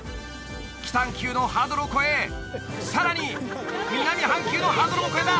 北半球のハードルを越えさらに南半球のハードルも越えた！